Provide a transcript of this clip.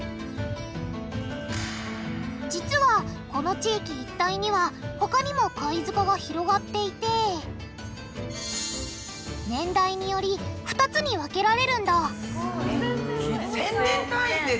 実はこの地域一帯には他にも貝塚が広がっていて年代により２つに分けられるんだ１０００年単位で違うんだ。